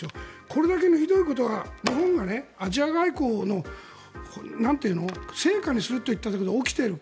これだけのひどいことが日本がアジア外交の成果にすると言ったけど起きている。